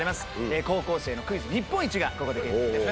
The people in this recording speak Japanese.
高校生のクイズ日本一がここで決定いたします。